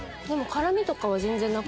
辛みとかは全然なく。